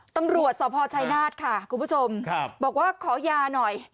ตำรวจสพชัยนาธค่ะคุณผู้ชมบอกว่าขอยาหน่อย